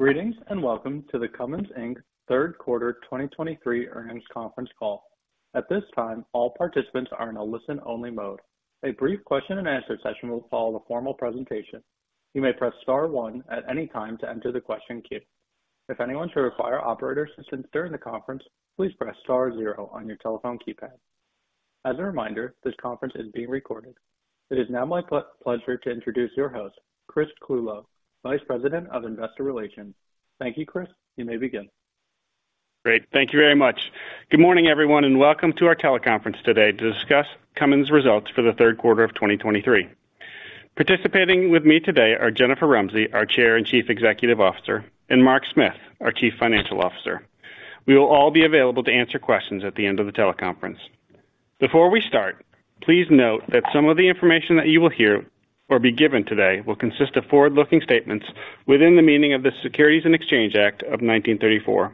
Greetings, and welcome to the Cummins Inc third quarter 2023 earnings conference call. At this time, all participants are in a listen-only mode. A brief question-and-answer session will follow the formal presentation. You may press star one at any time to enter the question queue. If anyone should require operator assistance during the conference, please press star zero on your telephone keypad. As a reminder, this conference is being recorded. It is now my pleasure to introduce your host, Chris Clulow, Vice President of Investor Relations. Thank you, Chris. You may begin. Great, thank you very much. Good morning, everyone, and welcome to our teleconference today to discuss Cummins' results for the third quarter of 2023. Participating with me today are Jennifer Rumsey, our Chair and Chief Executive Officer, and Mark Smith, our Chief Financial Officer. We will all be available to answer questions at the end of the teleconference. Before we start, please note that some of the information that you will hear or be given today will consist of forward-looking statements within the meaning of the Securities and Exchange Act of 1934.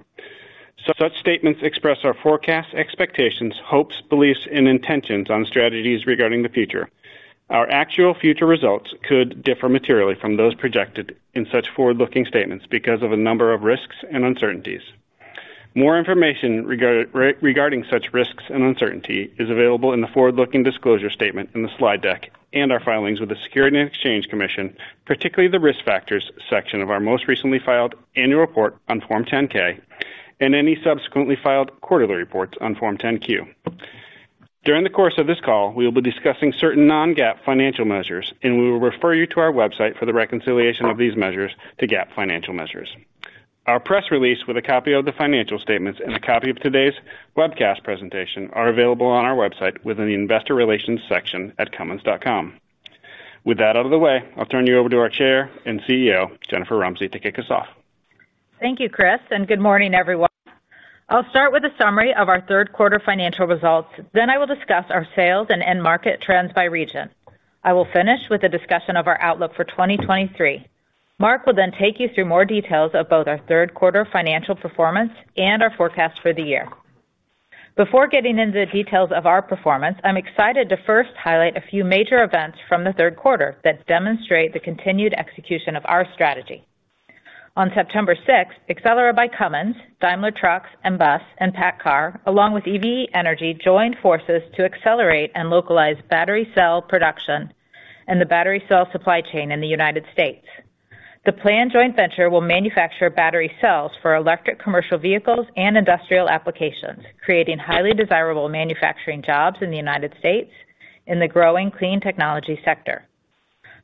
Such statements express our forecasts, expectations, hopes, beliefs, and intentions on strategies regarding the future. Our actual future results could differ materially from those projected in such forward-looking statements because of a number of risks and uncertainties. More information regarding such risks and uncertainty is available in the forward-looking disclosure statement in the slide deck and our filings with the Securities and Exchange Commission, particularly the Risk Factors section of our most recently filed annual report on Form 10-K and any subsequently filed quarterly reports on Form 10-Q. During the course of this call, we will be discussing certain non-GAAP financial measures, and we will refer you to our website for the reconciliation of these measures to GAAP financial measures. Our press release, with a copy of the financial statements and a copy of today's webcast presentation, are available on our website within the Investor Relations section at Cummins.com. With that out of the way, I'll turn you over to our Chair and CEO, Jennifer Rumsey, to kick us off. Thank you, Chris, and good morning, everyone. I'll start with a summary of our third quarter financial results. Then I will discuss our sales and end market trends by region. I will finish with a discussion of our outlook for 2023. Mark will then take you through more details of both our third quarter financial performance and our forecast for the year. Before getting into the details of our performance, I'm excited to first highlight a few major events from the third quarter that demonstrate the continued execution of our strategy. On September 6th, Accelera by Cummins, Daimler Trucks and Bus, and PACCAR, along with EVE Energy, joined forces to accelerate and localize battery cell production and the battery cell supply chain in the United States. The planned joint venture will manufacture battery cells for electric commercial vehicles and industrial applications, creating highly desirable manufacturing jobs in the United States in the growing clean technology sector.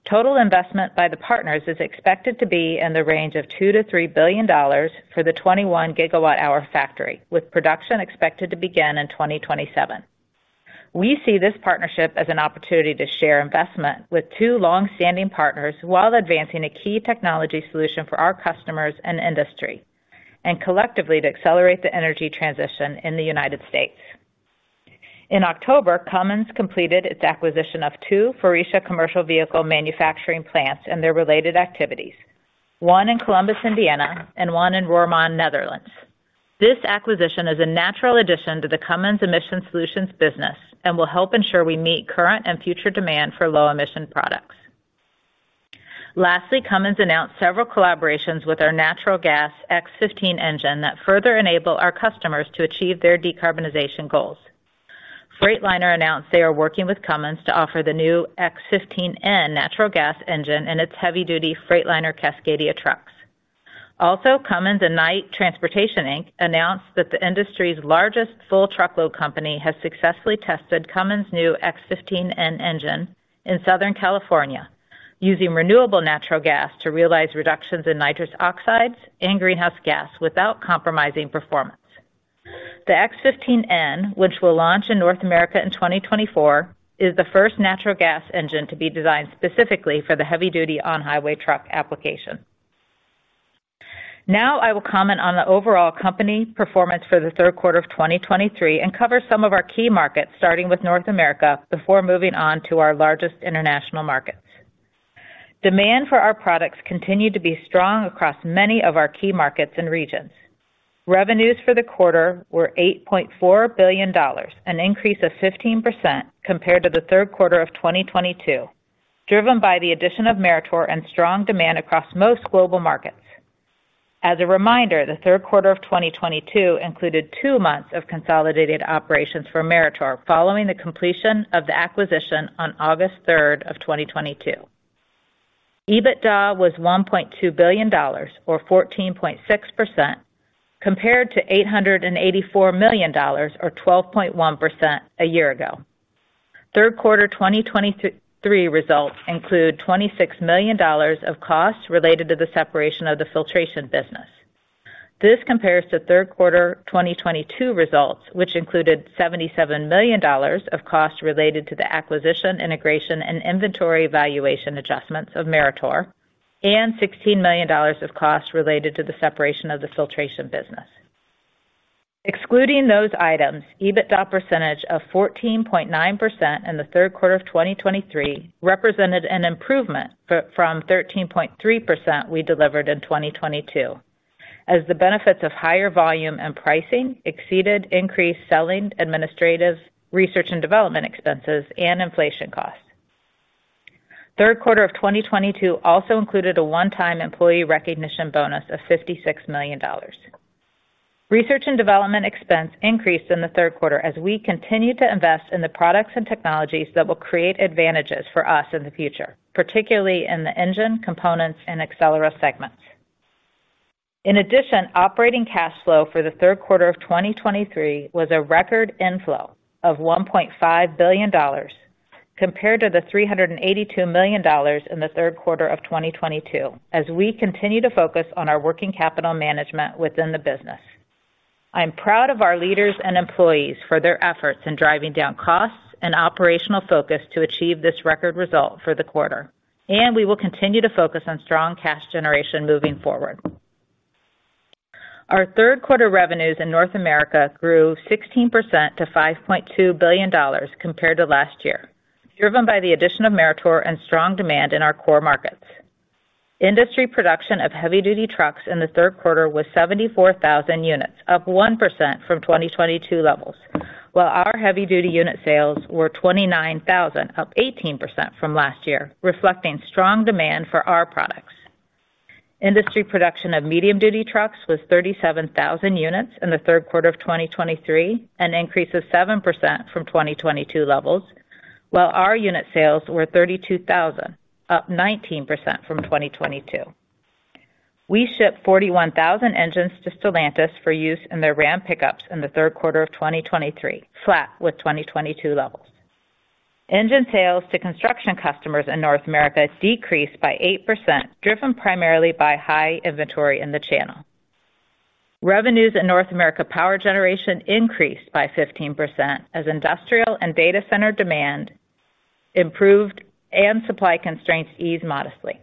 Total investment by the partners is expected to be in the range of $2 billion-$3 billion for the 21-GWh factory, with production expected to begin in 2027. We see this partnership as an opportunity to share investment with two long-standing partners while advancing a key technology solution for our customers and industry, and collectively, to accelerate the energy transition in the United States. In October, Cummins completed its acquisition of two Faurecia commercial vehicle manufacturing plants and their related activities, one in Columbus, Indiana, and one in Roermond, Netherlands. This acquisition is a natural addition to the Cummins Emissions Solutions business and will help ensure we meet current and future demand for low-emission products. Lastly, Cummins announced several collaborations with our natural gas X15 engine that further enable our customers to achieve their decarbonization goals. Freightliner announced they are working with Cummins to offer the new X15N natural gas engine in its heavy-duty Freightliner Cascadia trucks. Also, Cummins and Knight Transportation, Inc announced that the industry's largest full truckload company has successfully tested Cummins' new X15N engine in Southern California, using renewable natural gas to realize reductions in nitrous oxides and greenhouse gas without compromising performance. The X15N, which will launch in North America in 2024, is the first natural gas engine to be designed specifically for the heavy-duty on-highway truck application. Now I will comment on the overall company performance for the third quarter of 2023 and cover some of our key markets, starting with North America, before moving on to our largest international markets. Demand for our products continued to be strong across many of our key markets and regions. Revenues for the quarter were $8.4 billion, an increase of 15% compared to the third quarter of 2022, driven by the addition of Meritor and strong demand across most global markets. As a reminder, the third quarter of 2022 included two months of consolidated operations for Meritor, following the completion of the acquisition on August 3rd, 2022. EBITDA was $1.2 billion, or 14.6%, compared to $884 million, or 12.1%, a year ago. Third quarter 2023 results include $26 million of costs related to the separation of the filtration business. This compares to third quarter 2022 results, which included $77 million of costs related to the acquisition, integration, and inventory valuation adjustments of Meritor and $16 million of costs related to the separation of the filtration business. Excluding those items, EBITDA percentage of 14.9% in the third quarter of 2023 represented an improvement from 13.3% we delivered in 2022, as the benefits of higher volume and pricing exceeded increased selling, administrative, research and development expenses and inflation costs. Third quarter of 2022 also included a one-time employee recognition bonus of $56 million. Research and development expense increased in the third quarter as we continued to invest in the products and technologies that will create advantages for us in the future, particularly in the Engine, Components, and Accelera segments. In addition, operating cash flow for the third quarter of 2023 was a record inflow of $1.5 billion, compared to the $382 million in the third quarter of 2022, as we continue to focus on our working capital management within the business. I'm proud of our leaders and employees for their efforts in driving down costs and operational focus to achieve this record result for the quarter, and we will continue to focus on strong cash generation moving forward. Our third quarter revenues in North America grew 16% to $5.2 billion compared to last year, driven by the addition of Meritor and strong demand in our core markets. Industry production of heavy-duty trucks in the third quarter was 74,000 units, up 1% from 2022 levels, while our heavy-duty unit sales were 29,000, up 18% from last year, reflecting strong demand for our products. Industry production of medium-duty trucks was 37,000 units in the third quarter of 2023, an increase of 7% from 2022 levels, while our unit sales were 32,000, up 19% from 2022. We shipped 41,000 engines to Stellantis for use in their Ram pickups in the third quarter of 2023, flat with 2022 levels. Engine sales to construction customers in North America decreased by 8%, driven primarily by high inventory in the channel. Revenues in North America Power Generation increased by 15%, as industrial and data center demand improved and supply constraints eased modestly.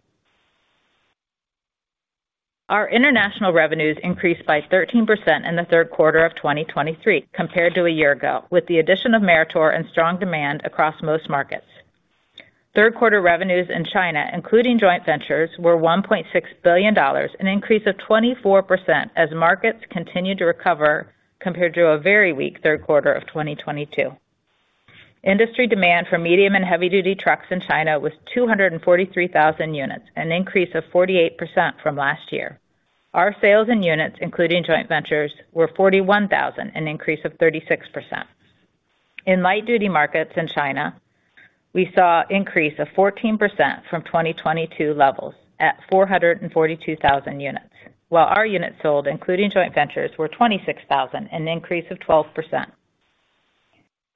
Our international revenues increased by 13% in the third quarter of 2023 compared to a year ago, with the addition of Meritor and strong demand across most markets. Third quarter revenues in China, including joint ventures, were $1.6 billion, an increase of 24% as markets continued to recover compared to a very weak third quarter of 2022. Industry demand for medium and heavy-duty trucks in China was 243,000 units, an increase of 48% from last year. Our sales and units, including joint ventures, were 41,000, an increase of 36%. In light-duty markets in China, we saw an increase of 14% from 2022 levels at 442,000 units, while our units sold, including joint ventures, were 26,000, an increase of 12%.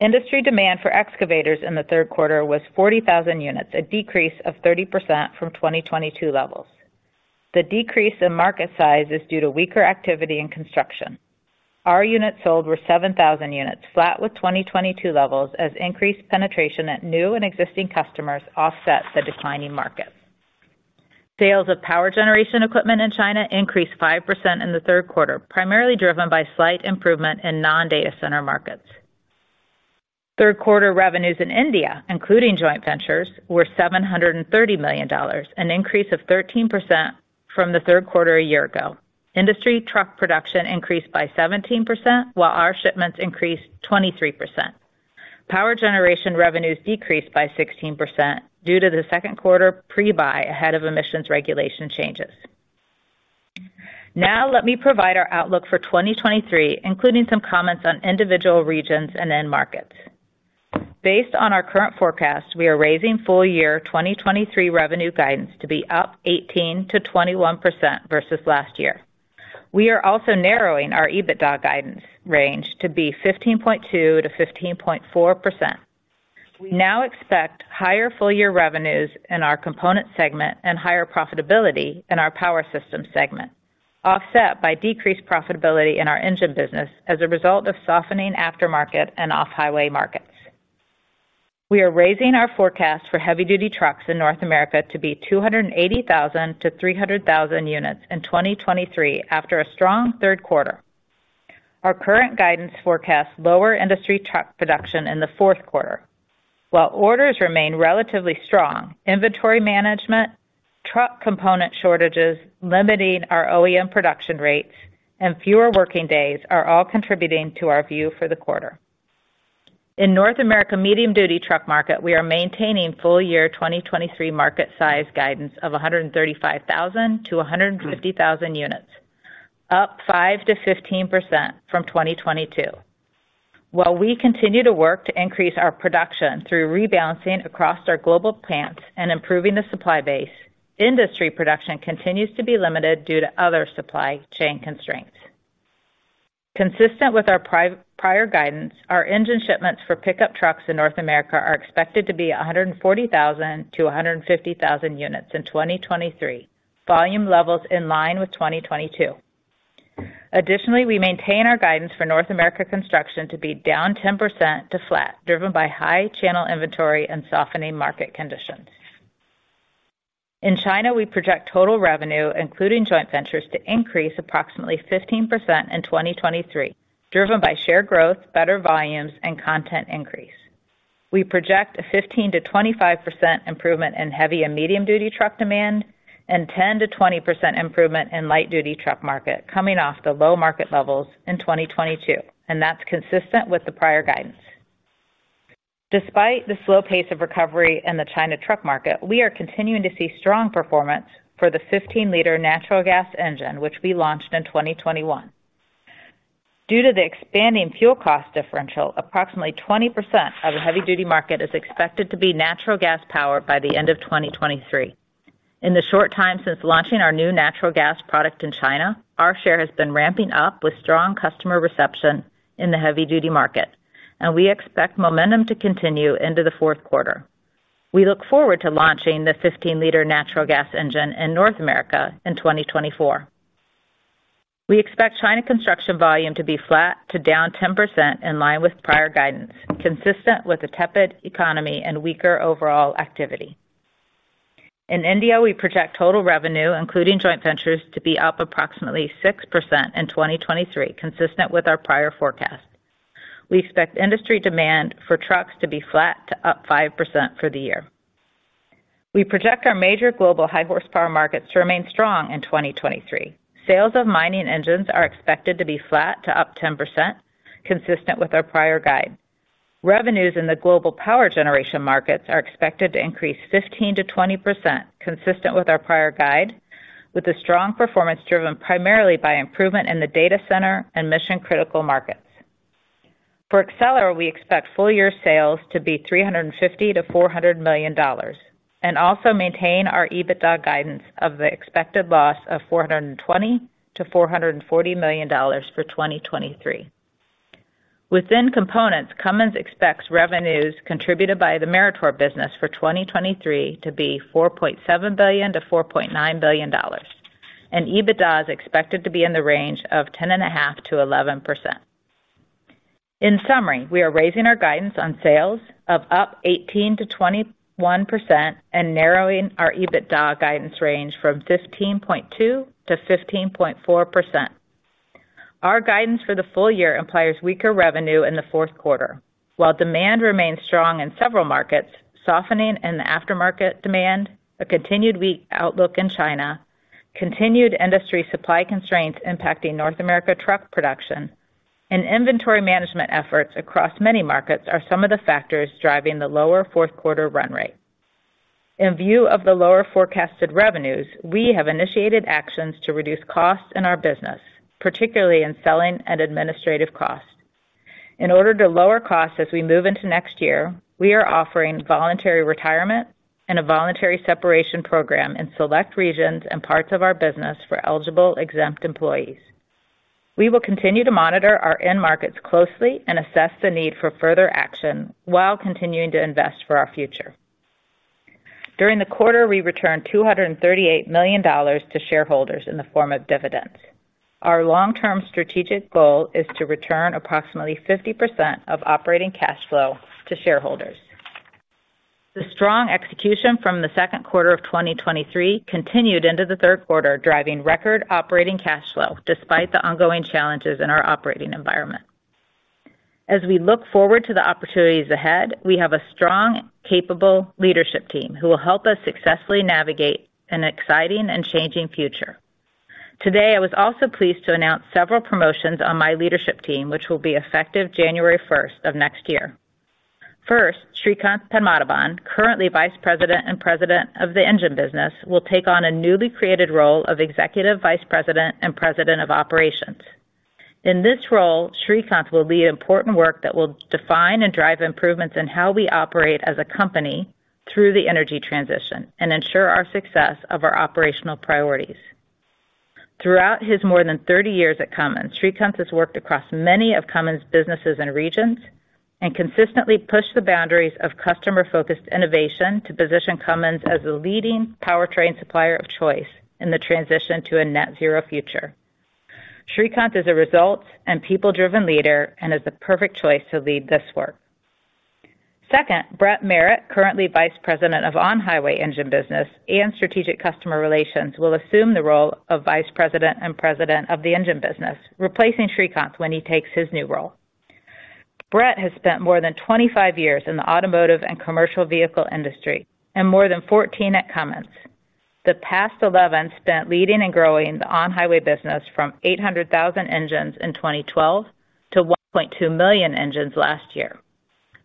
Industry demand for excavators in the third quarter was 40,000 units, a decrease of 30% from 2022 levels. The decrease in market size is due to weaker activity in construction. Our units sold were 7,000 units, flat with 2022 levels, as increased penetration at new and existing customers offset the declining market. Sales of Power Generation equipment in China increased 5% in the third quarter, primarily driven by slight improvement in non-data center markets. Third quarter revenues in India, including joint ventures, were $730 million, an increase of 13% from the third quarter a year ago. Industry truck production increased by 17%, while our shipments increased 23%. Power Generation revenues decreased by 16% due to the second quarter pre-buy ahead of emissions regulation changes. Now let me provide our outlook for 2023, including some comments on individual regions and end markets. Based on our current forecast, we are raising full-year 2023 revenue guidance to be up 18%-21% versus last year. We are also narrowing our EBITDA guidance range to be 15.2%-15.4%. We now expect higher full-year revenues in our component segment and higher profitability in our power system segment, offset by decreased profitability in our engine business as a result of softening aftermarket and off-highway markets. We are raising our forecast for heavy-duty trucks in North America to be 280,000-300,000 units in 2023 after a strong third quarter. Our current guidance forecasts lower industry truck production in the fourth quarter. While orders remain relatively strong, inventory management, truck component shortages limiting our OEM production rates, and fewer working days are all contributing to our view for the quarter. In North America medium-duty truck market, we are maintaining full year 2023 market size guidance of 135,000-150,000 units, up 5%-15% from 2022. While we continue to work to increase our production through rebalancing across our global plants and improving the supply base, industry production continues to be limited due to other supply chain constraints. Consistent with our prior guidance, our engine shipments for pickup trucks in North America are expected to be 140,000-150,000 units in 2023. Volume levels in line with 2022. Additionally, we maintain our guidance for North America construction to be down 10% to flat, driven by high channel inventory and softening market conditions. In China, we project total revenue, including joint ventures, to increase approximately 15% in 2023, driven by share growth, better volumes, and content increase. We project a 15%-25% improvement in heavy and medium-duty truck demand, and 10%-20% improvement in light-duty truck market coming off the low market levels in 2022, and that's consistent with the prior guidance. Despite the slow pace of recovery in the China truck market, we are continuing to see strong performance for the 15-liter natural gas engine, which we launched in 2021. Due to the expanding fuel cost differential, approximately 20% of the heavy-duty market is expected to be natural gas powered by the end of 2023. In the short time since launching our new natural gas product in China, our share has been ramping up with strong customer reception in the heavy-duty market, and we expect momentum to continue into the fourth quarter. We look forward to launching the 15-liter natural gas engine in North America in 2024. We expect China construction volume to be flat to down 10%, in line with prior guidance, consistent with the tepid economy and weaker overall activity. In India, we project total revenue, including joint ventures, to be up approximately 6% in 2023, consistent with our prior forecast. We expect industry demand for trucks to be flat to up 5% for the year. We project our major global high horsepower markets to remain strong in 2023. Sales of mining engines are expected to be flat to up 10%, consistent with our prior guide. Revenues in the global Power Generation markets are expected to increase 15%-20%, consistent with our prior guide, with the strong performance driven primarily by improvement in the data center and mission-critical markets. For Accelera, we expect full year sales to be $350 million-$400 million, and also maintain our EBITDA guidance of the expected loss of $420 million-$440 million for 2023. Within components, Cummins expects revenues contributed by the Meritor business for 2023 to be $4.7 billion-$4.9 billion, and EBITDA is expected to be in the range of 10.5%-11%. In summary, we are raising our guidance on sales of up 18%-21% and narrowing our EBITDA guidance range from 15.2%-15.4%. Our guidance for the full year implies weaker revenue in the fourth quarter, while demand remains strong in several markets, softening in the aftermarket demand, a continued weak outlook in China, continued industry supply constraints impacting North America truck production, and inventory management efforts across many markets are some of the factors driving the lower fourth quarter run rate. In view of the lower forecasted revenues, we have initiated actions to reduce costs in our business, particularly in selling and administrative costs. In order to lower costs as we move into next year, we are offering voluntary retirement and a voluntary separation program in select regions and parts of our business for eligible exempt employees. We will continue to monitor our end markets closely and assess the need for further action while continuing to invest for our future. During the quarter, we returned $238 million to shareholders in the form of dividends. Our long-term strategic goal is to return approximately 50% of operating cash flow to shareholders. The strong execution from the second quarter of 2023 continued into the third quarter, driving record operating cash flow despite the ongoing challenges in our operating environment. As we look forward to the opportunities ahead, we have a strong, capable leadership team who will help us successfully navigate an exciting and changing future. Today, I was also pleased to announce several promotions on my leadership team, which will be effective January 1st of next year. First, Srikanth Padmanabhan, currently Vice President and President of the Engine Business, will take on a newly created role of Executive Vice President and President of Operations. In this role, Srikanth will lead important work that will define and drive improvements in how we operate as a company through the energy transition and ensure our success of our operational priorities. Throughout his more than 30 years at Cummins, Srikanth has worked across many of Cummins' businesses and regions and consistently pushed the boundaries of customer-focused innovation to position Cummins as a leading powertrain supplier of choice in the transition to a net zero future. Srikanth is a results and people-driven leader and is the perfect choice to lead this work. Second, Brett Merritt, currently Vice President of On-Highway Engine Business and Strategic Customer Relations, will assume the role of Vice President and President of the Engine Business, replacing Srikanth when he takes his new role. Brett has spent more than 25 years in the automotive and commercial vehicle industry, and more than 14 at Cummins. The past eleven spent leading and growing the on-highway business from 800,000 engines in 2012 to 1.2 million engines last year.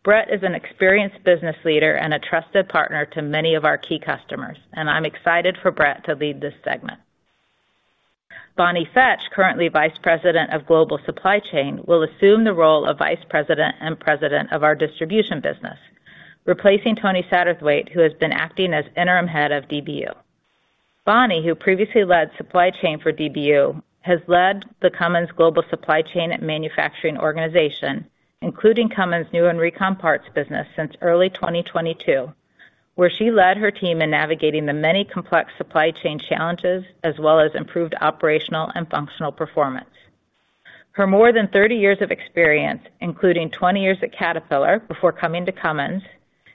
Brett is an experienced business leader and a trusted partner to many of our key customers, and I'm excited for Brett to lead this segment. Bonnie Fetch, currently Vice President of Global Supply Chain, will assume the role of Vice President and President of our Distribution business, replacing Tony Satterthwaite, who has been acting as interim Head of DBU. Bonnie, who previously led supply chain for DBU, has led the Cummins Global Supply Chain and Manufacturing organization, including Cummins new and recon parts business since early 2022, where she led her team in navigating the many complex supply chain challenges, as well as improved operational and functional performance. Her more than 30 years of experience, including 20 years at Caterpillar before coming to Cummins,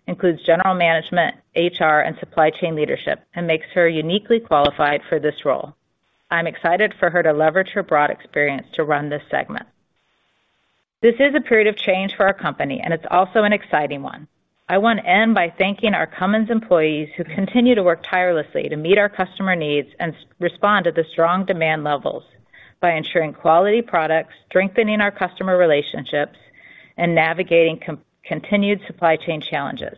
includes general management, HR, and supply chain leadership, and makes her uniquely qualified for this role. I'm excited for her to leverage her broad experience to run this segment. This is a period of change for our company, and it's also an exciting one. I want to end by thanking our Cummins employees who continue to work tirelessly to meet our customer needs and respond to the strong demand levels by ensuring quality products, strengthening our customer relationships, and navigating continued supply chain challenges.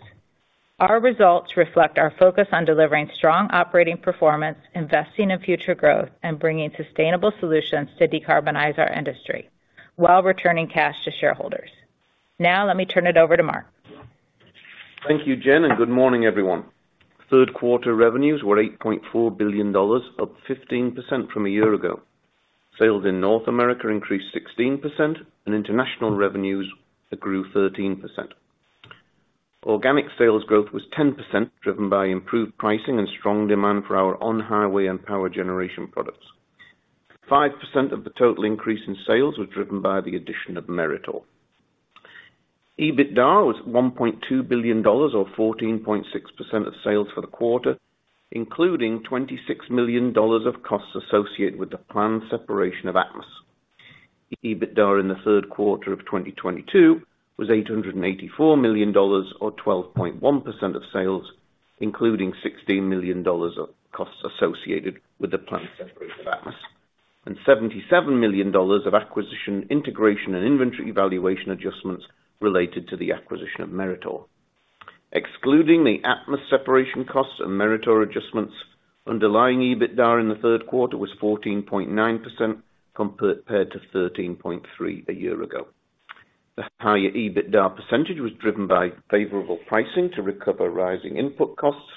Our results reflect our focus on delivering strong operating performance, investing in future growth, and bringing sustainable solutions to decarbonize our industry, while returning cash to shareholders. Now, let me turn it over to Mark. Thank you, Jen, and good morning, everyone. Third quarter revenues were $8.4 billion, up 15% from a year ago. Sales in North America increased 16%, and international revenues grew 13%. Organic sales growth was 10%, driven by improved pricing and strong demand for our on-highway and Power Generation products. 5% of the total increase in sales was driven by the addition of Meritor. EBITDA was $1.2 billion, or 14.6% of sales for the quarter, including $26 million of costs associated with the planned separation of Atmus. EBITDA in the third quarter of 2022 was $884 million, or 12.1% of sales, including $16 million of costs associated with the planned separation of Atmus, and $77 million of acquisition, integration, and inventory valuation adjustments related to the acquisition of Meritor. Excluding the Atmus separation costs and Meritor adjustments, underlying EBITDA in the third quarter was 14.9% compared to 13.3% a year ago. The higher EBITDA percentage was driven by favorable pricing to recover rising input costs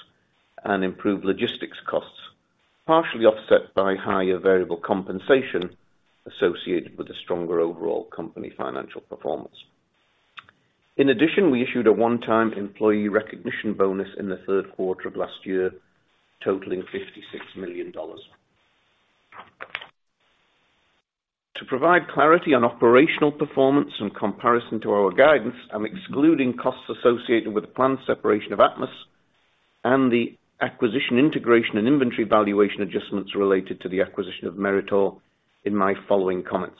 and improved logistics costs, partially offset by higher variable compensation associated with the stronger overall company financial performance. In addition, we issued a one-time employee recognition bonus in the third quarter of last year, totaling $56 million. To provide clarity on operational performance in comparison to our guidance, I'm excluding costs associated with the planned separation of Atmus and the acquisition, integration, and inventory valuation adjustments related to the acquisition of Meritor in my following comments.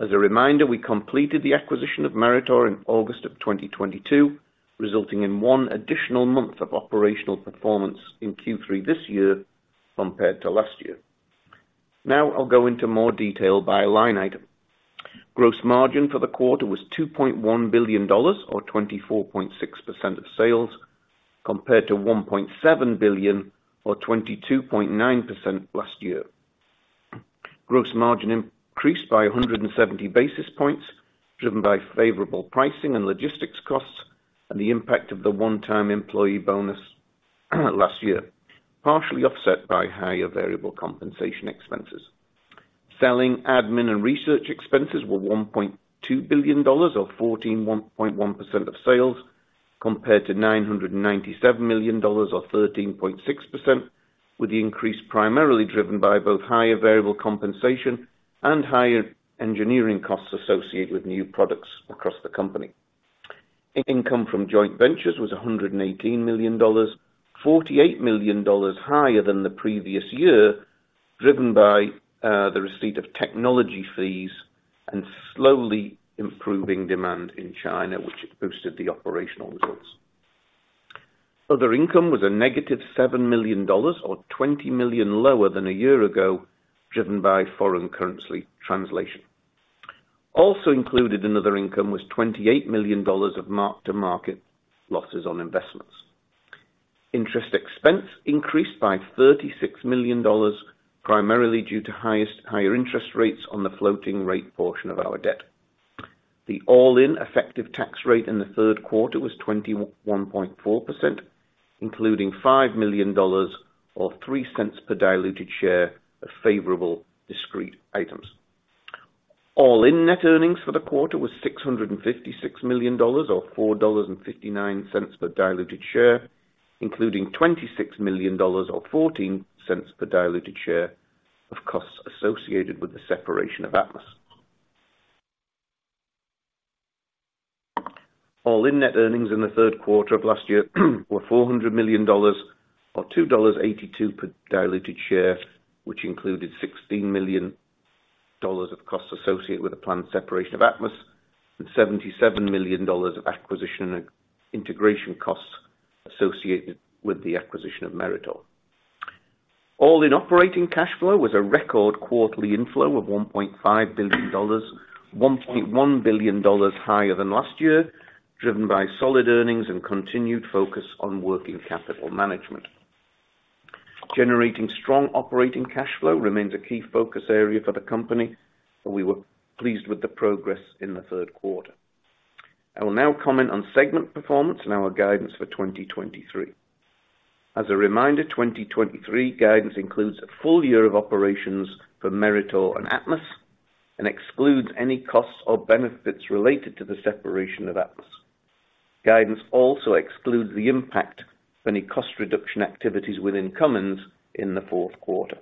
As a reminder, we completed the acquisition of Meritor in August of 2022, resulting in one additional month of operational performance in Q3 this year compared to last year. Now I'll go into more detail by line item. Gross margin for the quarter was $2.1 billion, or 24.6% of sales, compared to $1.7 billion or 22.9% last year. Gross margin increased by 170 basis points, driven by favorable pricing and logistics costs and the impact of the one-time employee bonus last year, partially offset by higher variable compensation expenses. Selling, admin, and research expenses were $1.2 billion or 14.1% of sales, compared to $997 million or 13.6%, with the increase primarily driven by both higher variable compensation and higher engineering costs associated with new products across the company. Income from joint ventures was $118 million, $48 million higher than the previous year, driven by the receipt of technology fees and slowly improving demand in China, which boosted the operational results. Other income was -$7 million or $20 million lower than a year ago, driven by foreign currency translation. Also included in other income was $28 million of mark-to-market losses on investments. Interest expense increased by $36 million, primarily due to higher interest rates on the floating rate portion of our debt. The all-in effective tax rate in the third quarter was 21.4%, including $5 million or $0.03 per diluted share of favorable discrete items. All-in net earnings for the quarter was $656 million or $4.59 per diluted share, including $26 million or $0.14 per diluted share of costs associated with the separation of Atmus. All-in net earnings in the third quarter of last year were $400 million or $2.82 per diluted share, which included $16 million of costs associated with the planned separation of Atmus, and $77 million of acquisition and integration costs associated with the acquisition of Meritor. All-in operating cash flow was a record quarterly inflow of $1.5 billion, $1.1 billion higher than last year, driven by solid earnings and continued focus on working capital management. Generating strong operating cash flow remains a key focus area for the company, and we were pleased with the progress in the third quarter. I will now comment on segment performance and our guidance for 2023. As a reminder, 2023 guidance includes a full year of operations for Meritor and Atmus and excludes any costs or benefits related to the separation of Atmus. Guidance also excludes the impact of any cost reduction activities within Cummins in the fourth quarter.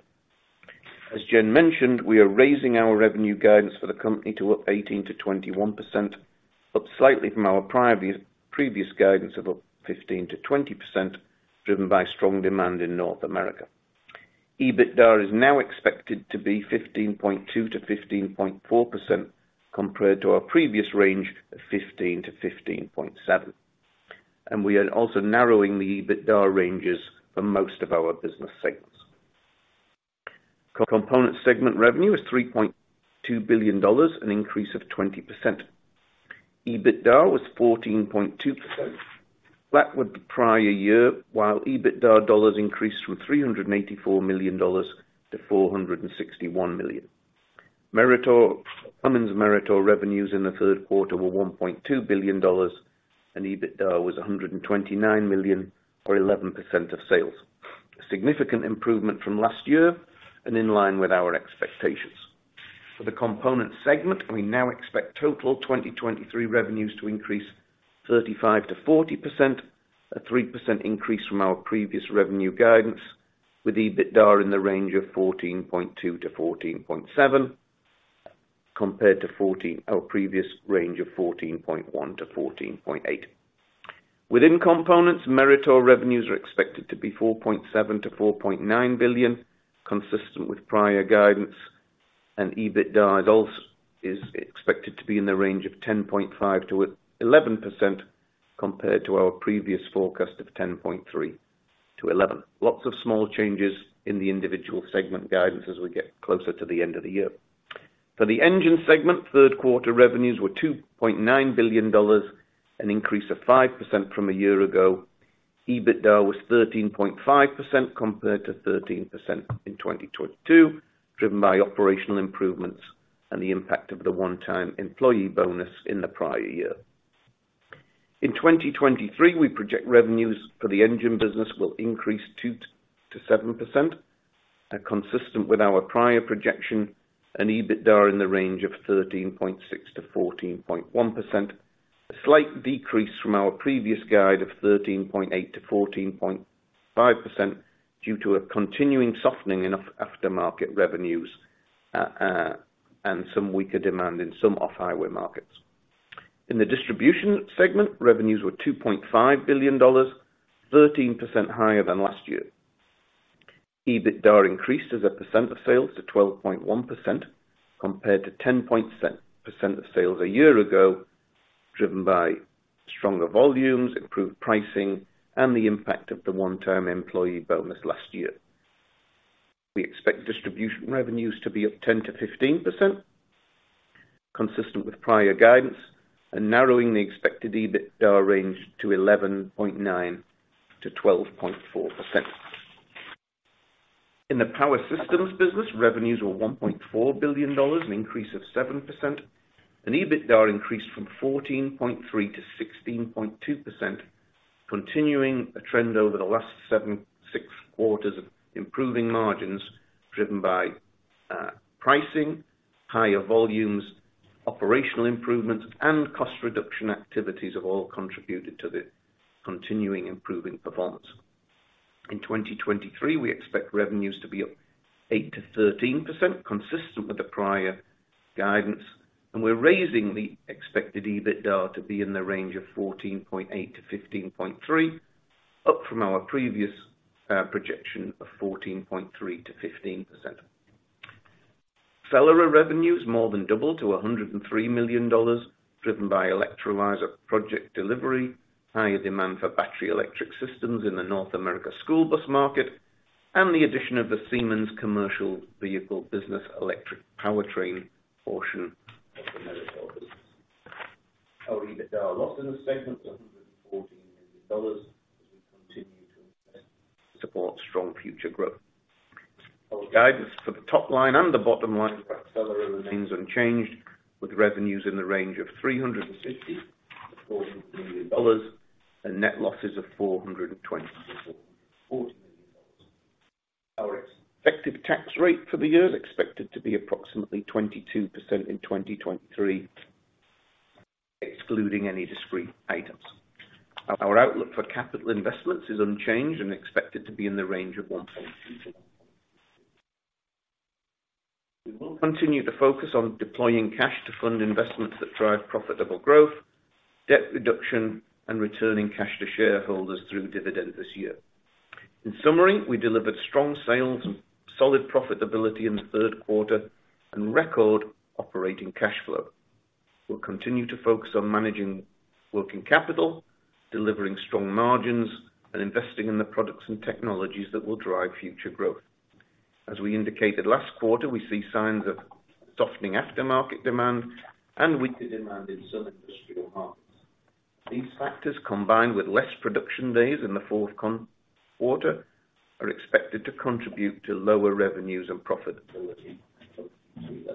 As Jen mentioned, we are raising our revenue guidance for the company to up 18%-21%, up slightly from our prior previous guidance of up 15%-20%, driven by strong demand in North America. EBITDA is now expected to be 15.2%-15.4% compared to our previous range of 15%-15.7%. We are also narrowing the EBITDA ranges for most of our business segments. Component segment revenue is $3.2 billion, an increase of 20%. EBITDA was 14.2%. That was the prior year, while EBITDA dollars increased from $394 million to $461 million. Meritor, Cummins Meritor revenues in the third quarter were $1.2 billion, and EBITDA was $129 million, or 11% of sales. A significant improvement from last year and in line with our expectations. For the component segment, we now expect total 2023 revenues to increase 35%-40%, a 3% increase from our previous revenue guidance, with EBITDA in the range of 14.2%-14.7%, compared to our previous range of 14.1%-14.8%. Within components, Meritor revenues are expected to be $4.7 billion-$4.9 billion, consistent with prior guidance, and EBITDA loss is expected to be in the range of 10.5%-11%, compared to our previous forecast of 10.3%-11%. Lots of small changes in the individual segment guidance as we get closer to the end of the year. For the engine segment, third quarter revenues were $2.9 billion, an increase of 5% from a year ago. EBITDA was 13.5% compared to 13% in 2022, driven by operational improvements and the impact of the one-time employee bonus in the prior year. In 2023, we project revenues for the engine business will increase 2%-7%, consistent with our prior projection, and EBITDA in the range of 13.6%-14.1%. A slight decrease from our previous guide of 13.8%-14.5%, due to a continuing softening in aftermarket revenues, and some weaker demand in some off-highway markets. In the distribution segment, revenues were $2.5 billion, 13% higher than last year. EBITDA increased as a percent of sales to 12.1%, compared to 10.7% of sales a year ago, driven by stronger volumes, improved pricing, and the impact of the one-time employee bonus last year. We expect distribution revenues to be up 10%-15%, consistent with prior guidance, and narrowing the expected EBITDA range to 11.9%-12.4%. In the power systems business, revenues were $1.4 billion, an increase of 7%, and EBITDA increased from 14.3% to 16.2%, continuing a trend over the last six quarters of improving margins driven by pricing, higher volumes, operational improvements, and cost reduction activities have all contributed to the continuing improving performance. In 2023, we expect revenues to be up 8%-13%, consistent with the prior guidance, and we're raising the expected EBITDA to be in the range of 14.8%-15.3%, up from our previous projection of 14.3%-15%. Accelera revenues more than doubled to $103 million, driven by electrolyzer project delivery, higher demand for battery electric systems in the North America school bus market, and the addition of the Siemens commercial vehicle business electric powertrain portion of the Meritor business. Our EBITDA loss in the segment was $114 million, as we continue to invest to support strong future growth. Our guidance for the top line and the bottom line for Accelera remains unchanged, with revenues in the range of $350 million-$400 million and net losses of $420 million-$440 million. Our effective tax rate for the year is expected to be approximately 22% in 2023, excluding any discrete items. Our outlook for capital investments is unchanged and expected to be in the range of 1.2%-1.6%. We will continue to focus on deploying cash to fund investments that drive profitable growth, debt reduction, and returning cash to shareholders through dividend this year. In summary, we delivered strong sales and solid profitability in the third quarter and record operating cash flow. We'll continue to focus on managing working capital, delivering strong margins, and investing in the products and technologies that will drive future growth. As we indicated last quarter, we see signs of softening aftermarket demand and weaker demand in some industrial markets. These factors, combined with less production days in the fourth quarter, are expected to contribute to lower revenues and profitability. We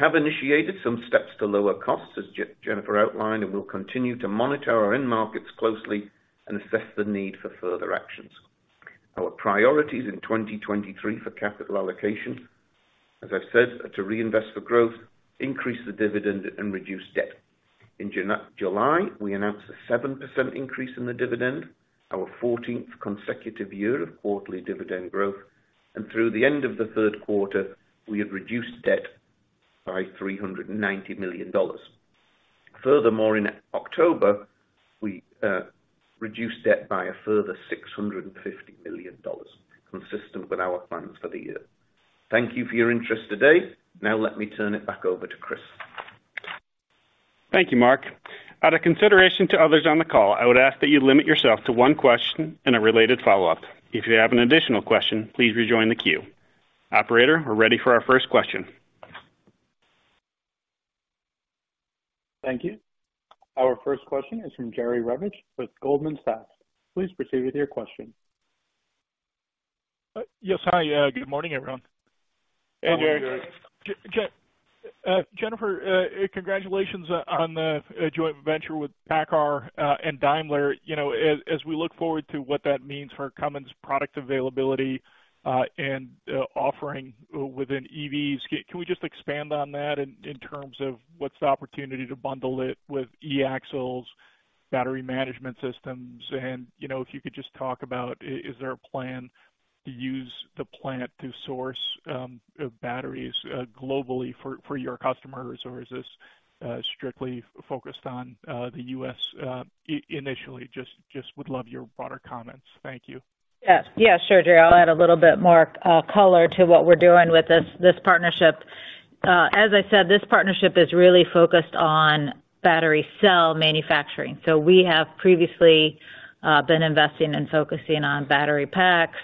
have initiated some steps to lower costs, as Jennifer outlined, and will continue to monitor our end markets closely and assess the need for further actions. Our priorities in 2023 for capital allocation, as I've said, are to reinvest for growth, increase the dividend, and reduce debt. In July, we announced a 7% increase in the dividend, our 14th consecutive year of quarterly dividend growth, and through the end of the third quarter, we have reduced debt by $390 million. Furthermore, in October, we reduced debt by a further $650 million, consistent with our plans for the year. Thank you for your interest today. Now, let me turn it back over to Chris. Thank you, Mark. Out of consideration to others on the call, I would ask that you limit yourself to one question and a related follow-up. If you have an additional question, please rejoin the queue. Operator, we're ready for our first question. Thank you. Our first question is from Jerry Revich with Goldman Sachs. Please proceed with your question. Yes. Hi. Good morning, everyone. Hey, Jerry. Jennifer, congratulations on the joint venture with PACCAR and Daimler. You know, as we look forward to what that means for Cummins' product availability and offering within EVs, can we just expand on that in terms of what's the opportunity to bundle it with e-axles, battery management systems? And, you know, if you could just talk about, is there a plan to use the plant to source batteries globally for your customers? Or is this strictly focused on the U.S. initially? Just would love your broader comments. Thank you. Yes. Yeah, sure, Jerry. I'll add a little bit more, color to what we're doing with this, this partnership. As I said, this partnership is really focused on battery cell manufacturing. So we have previously, been investing and focusing on battery packs,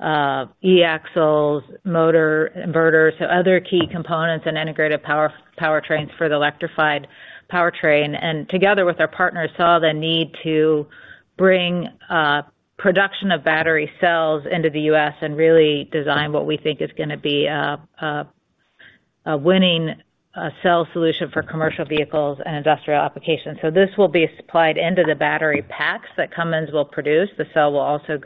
e-axles, motor inverters, so other key components and integrated power, powertrains for the electrified powertrain, and together with our partners, saw the need to bring, production of battery cells into the U.S. and really design what we think is gonna be a winning, cell solution for commercial vehicles and industrial applications. So this will be supplied into the battery packs that Cummins will produce. The cell will also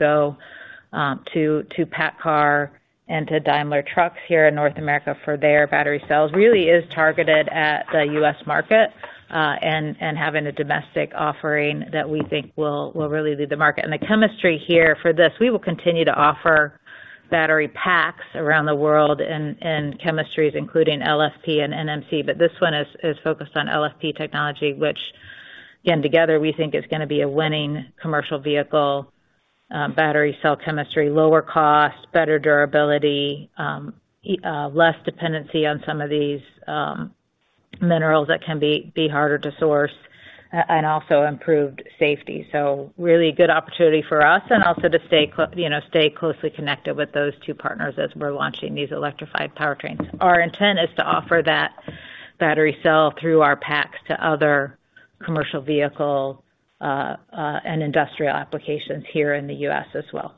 go, to, to PACCAR and to Daimler Trucks here in North America for their battery cells. Really is targeted at the U.S. market, and having a domestic offering that we think will really lead the market. And the chemistry here for this, we will continue to offer battery packs around the world and chemistries, including LFP and NMC, but this one is focused on LFP technology, which, again, together, we think is gonna be a winning commercial vehicle battery cell chemistry, lower cost, better durability, less dependency on some of these minerals that can be harder to source, and also improved safety. So really good opportunity for us and also to stay you know, stay closely connected with those two partners as we're launching these electrified powertrains. Our intent is to offer that battery cell through our packs to other commercial vehicle and industrial applications here in the U.S. as well.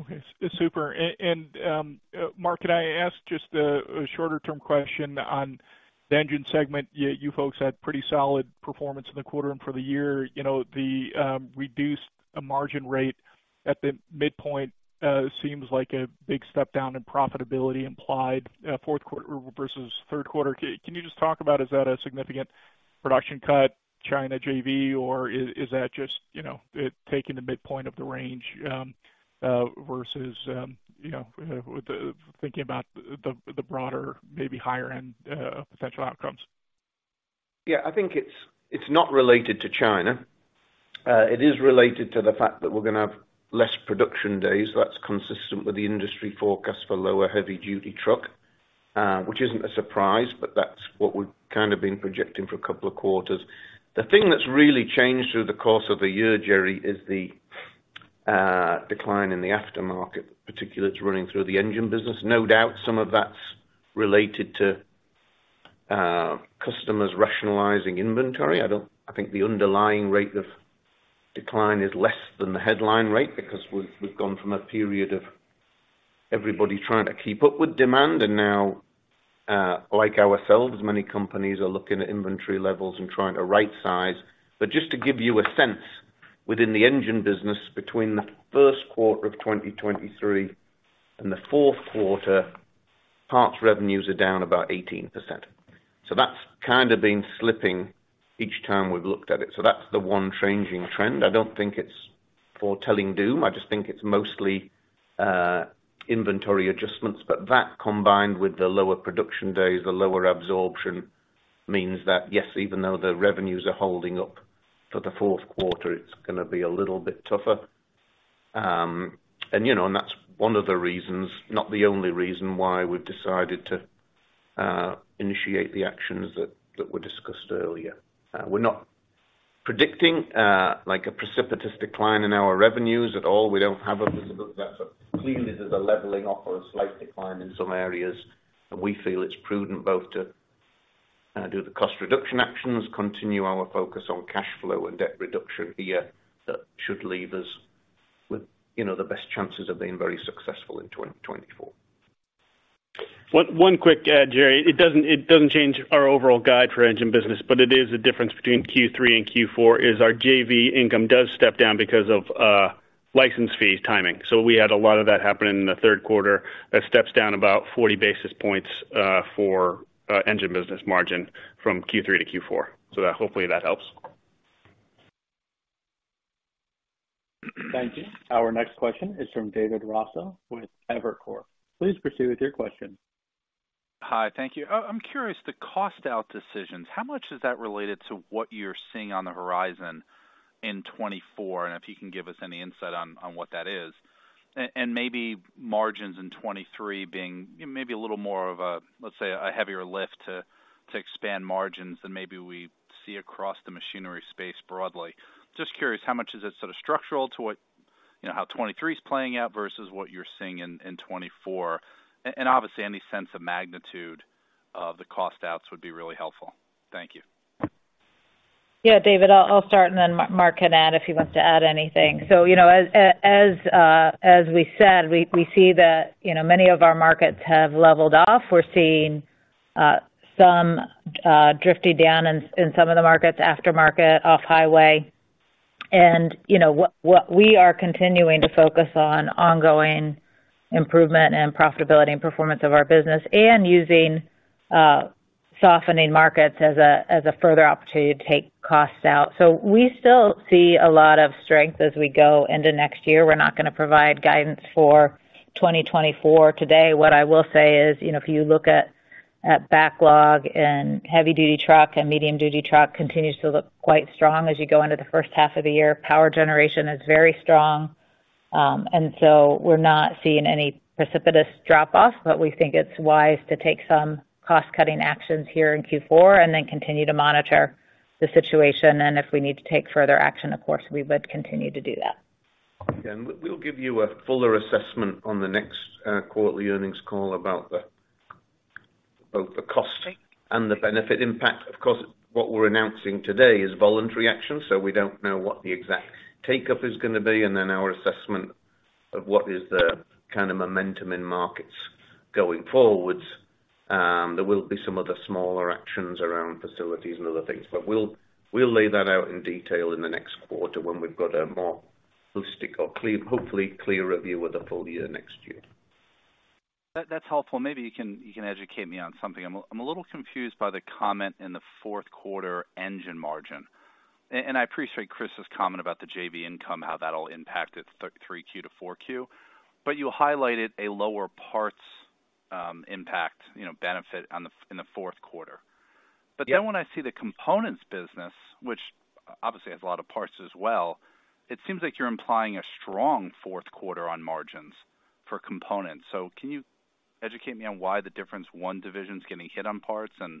Okay. Super. And, Mark, can I ask just a shorter-term question on the engine segment? You folks had pretty solid performance in the quarter and for the year. You know, the reduced margin rate at the midpoint seems like a big step down in profitability implied fourth quarter versus third quarter. Can you just talk about, is that a significant production cut, China JV, or is that just, you know, it taking the midpoint of the range versus, you know, with the, thinking about the broader, maybe higher end potential outcomes? Yeah, I think it's not related to China. It is related to the fact that we're gonna have less production days. That's consistent with the industry forecast for lower heavy-duty truck, which isn't a surprise, but that's what we've kind of been projecting for a couple of quarters. The thing that's really changed through the course of the year, Jerry, is the decline in the aftermarket, particularly that's running through the engine business. No doubt some of that's related to customers rationalizing inventory. I think the underlying rate of decline is less than the headline rate because we've gone from a period of everybody trying to keep up with demand, and now, like ourselves, many companies are looking at inventory levels and trying to right size. But just to give you a sense, within the engine business, between the first quarter of 2023 and the fourth quarter, parts revenues are down about 18%. So that's kind of been slipping each time we've looked at it. So that's the one changing trend. I don't think it's foretelling doom. I just think it's mostly inventory adjustments, but that combined with the lower production days, the lower absorption, means that yes, even though the revenues are holding up for the fourth quarter, it's gonna be a little bit tougher. And you know, and that's one of the reasons, not the only reason, why we've decided to initiate the actions that were discussed earlier. We're not predicting like a precipitous decline in our revenues at all. We don't have a visibility, but clearly, there's a leveling off or a slight decline in some areas, and we feel it's prudent both to do the cost reduction actions, continue our focus on cash flow and debt reduction here. That should leave us with, you know, the best chances of being very successful in 2024. One quick, Jerry. It doesn't change our overall guide for engine business, but it is a difference between Q3 and Q4, is our JV income does step down because of license fees timing. So we had a lot of that happening in the third quarter. That steps down about 40 basis points for engine business margin from Q3 to Q4. So that hopefully that helps. Thank you. Our next question is from David Raso with Evercore. Please proceed with your question. Hi, thank you. I'm curious, the cost out decisions, how much is that related to what you're seeing on the horizon in 2024? And if you can give us any insight on what that is. And maybe margins in 2023 being maybe a little more of a, let's say, a heavier lift to expand margins than maybe we see across the machinery space broadly. Just curious, how much is it sort of structural to what, you know, how 2023 is playing out versus what you're seeing in 2024? And obviously, any sense of magnitude of the cost outs would be really helpful. Thank you. Yeah, David, I'll start and then Mark can add if he wants to add anything. So, you know, as we said, we see that, you know, many of our markets have leveled off. We're seeing some drifting down in some of the markets, aftermarket, off-highway. And, you know, what we are continuing to focus on ongoing improvement and profitability and performance of our business and using softening markets as a further opportunity to take costs out. So we still see a lot of strength as we go into next year. We're not gonna provide guidance for 2024. Today, what I will say is, you know, if you look at backlog and heavy-duty truck and medium-duty truck continues to look quite strong as you go into the first half of the year. Power Generation is very strong, and so we're not seeing any precipitous drop off, but we think it's wise to take some cost-cutting actions here in Q4 and then continue to monitor the situation. If we need to take further action, of course, we would continue to do that. We'll give you a fuller assessment on the next quarterly earnings call about both the cost and the benefit impact. Of course, what we're announcing today is voluntary action, so we don't know what the exact take-up is gonna be, and then our assessment of what is the kind of momentum in markets going forwards. There will be some other smaller actions around facilities and other things, but we'll lay that out in detail in the next quarter when we've got a more holistic or clear, hopefully clear review of the full year next year. That's helpful. Maybe you can educate me on something. I'm a little confused by the comment in the fourth quarter engine margin. And I appreciate Chris's comment about the JV income, how that all impacted 3Q to 4Q. But you highlighted a lower parts impact, you know, benefit in the fourth quarter. Yeah. Then when I see the Components business, which obviously has a lot of parts as well, it seems like you're implying a strong fourth quarter on margins for components. So can you educate me on why the difference one division is getting hit on parts and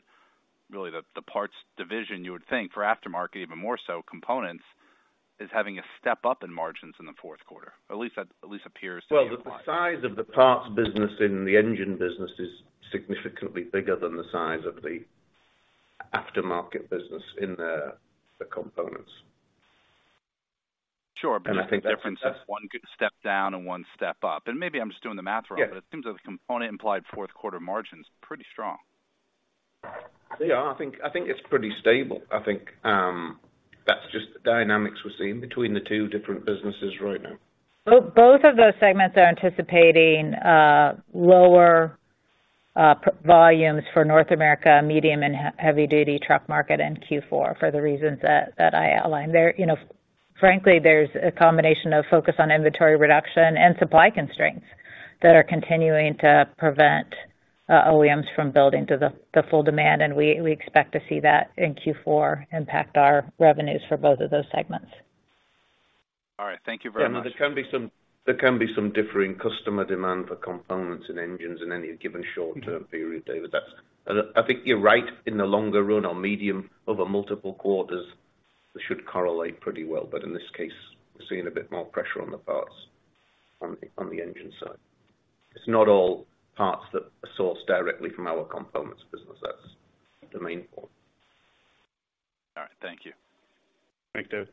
really the parts division, you would think for aftermarket, even more so, components, is having a step up in margins in the fourth quarter? At least that appears to be applied. Well, the size of the parts business in the engine business is significantly bigger than the size of the aftermarket business in the components. But the difference is one good step down and one step up. And maybe I'm just doing the math wrong but it seems like the component implied fourth quarter margin's pretty strong. Yeah, I think it's pretty stable. I think, that's just the dynamics we're seeing between the two different businesses right now. Both of those segments are anticipating lower production volumes for North America, medium and heavy-duty truck market in Q4, for the reasons that I outlined. There, you know, frankly, there's a combination of focus on inventory reduction and supply constraints that are continuing to prevent OEMs from building to the full demand, and we expect to see that in Q4 impact our revenues for both of those segments. All right. Thank you very much. Yeah, there can be some differing customer demand for components and engines in any given short-term period, David. That's. I think you're right, in the longer run or medium, over multiple quarters, they should correlate pretty well. But in this case, we're seeing a bit more pressure on the parts on the engine side. It's not all parts that are sourced directly from our Components business. That's the main point. All right. Thank you. Thanks, David.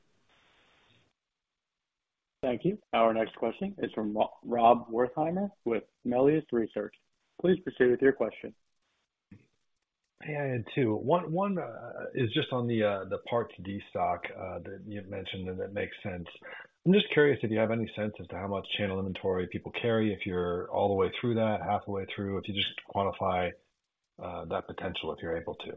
Thank you. Our next question is from Rob Wertheimer with Melius Research. Please proceed with your question. Hey, I had two. One, is just on the, the parts destock that you've mentioned, and that makes sense. I'm just curious if you have any sense as to how much channel inventory people carry, if you're all the way through that, half the way through, if you just quantify that potential, if you're able to.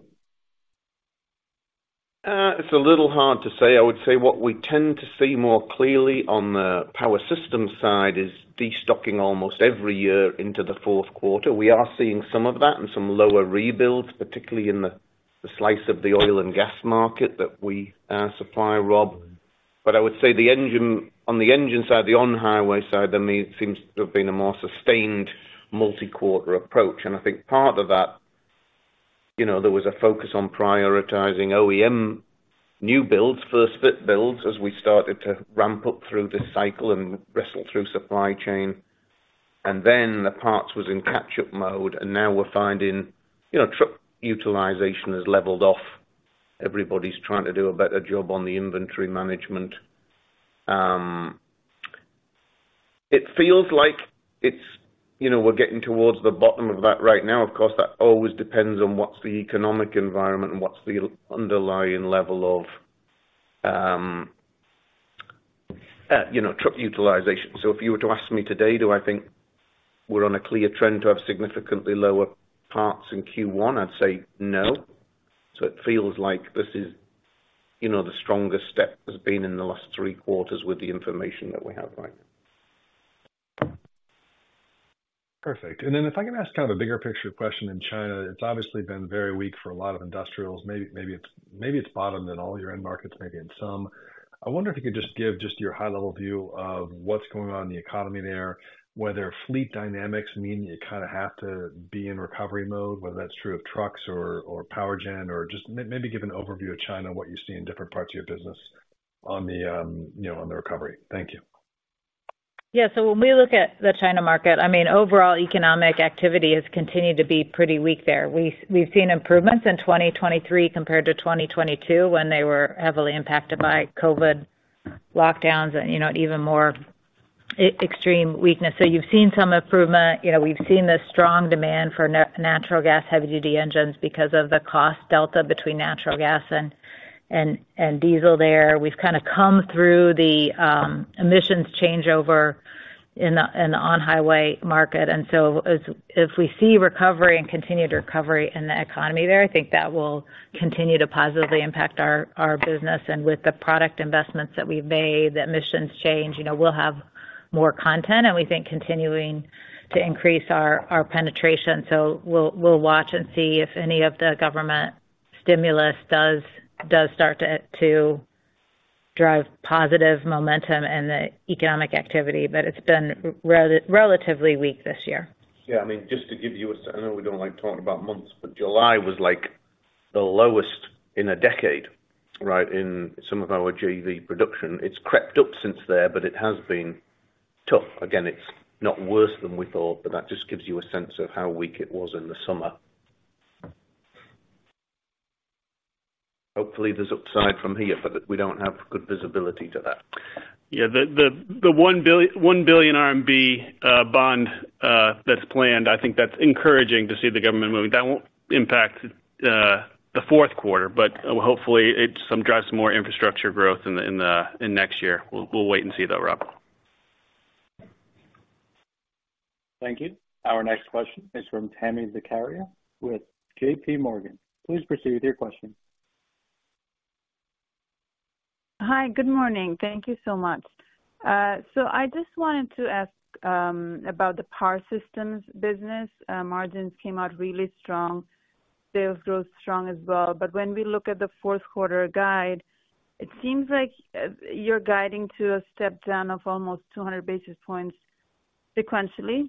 It's a little hard to say. I would say what we tend to see more clearly on the power system side is destocking almost every year into the fourth quarter. We are seeing some of that and some lower rebuilds, particularly in the slice of the oil and gas market that we supply, Rob. But I would say the engine, on the engine side, the on-highway side, there may seems to have been a more sustained multi-quarter approach. And I think part of that, you know, there was a focus on prioritizing OEM new builds, first fit builds, as we started to ramp up through this cycle and wrestle through supply chain. And then the parts was in catch-up mode, and now we're finding, you know, truck utilization has leveled off. Everybody's trying to do a better job on the inventory management. It feels like it's, you know, we're getting towards the bottom of that right now. Of course, that always depends on what's the economic environment and what's the underlying level of, you know, truck utilization. So if you were to ask me today, do I think we're on a clear trend to have significantly lower parts in Q1? I'd say no. So it feels like this is, you know, the strongest step has been in the last three quarters with the information that we have right now. Perfect. And then if I can ask kind of a bigger picture question in China, it's obviously been very weak for a lot of industrials. Maybe it's bottomed in all your end markets, maybe in some. I wonder if you could just give just your high-level view of what's going on in the economy there, whether fleet dynamics mean you kind of have to be in recovery mode, whether that's true of trucks or, or power gen, or just maybe give an overview of China, what you see in different parts of your business on the, you know, on the recovery. Thank you. Yeah. So when we look at the China market, I mean, overall economic activity has continued to be pretty weak there. We've seen improvements in 2023 compared to 2022, when they were heavily impacted by COVID lockdowns and, you know, even more extreme weakness. So you've seen some improvement. You know, we've seen the strong demand for natural gas, heavy duty engines because of the cost delta between natural gas and diesel there. We've kind of come through the emissions changeover in the on-highway market. And so if we see recovery and continued recovery in the economy there, I think that will continue to positively impact our business. And with the product investments that we've made, the emissions change, you know, we'll have more content and we think continuing to increase our penetration. So we'll watch and see if any of the government stimulus does start to drive positive momentum and the economic activity. But it's been relatively weak this year. Yeah, I mean, just to give you, I know we don't like talking about months, but July was, like, the lowest in a decade, right, in some of our JV production. It's crept up since there, but it has been tough. Again, it's not worse than we thought, but that just gives you a sense of how weak it was in the summer. Hopefully, there's upside from here, but we don't have good visibility to that. Yeah, the 1 billion RMB bond that's planned, I think that's encouraging to see the government moving. That won't impact the fourth quarter, but hopefully it somehow drives some more infrastructure growth in the next year. We'll wait and see, though, Rob. Thank you. Our next question is from Tami Zakaria with JPMorgan. Please proceed with your question. Hi, good morning. Thank you so much. So I just wanted to ask about the Power Systems business. Margins came out really strong, sales growth strong as well. But when we look at the fourth quarter guide, it seems like you're guiding to a step down of almost 200 basis points sequentially.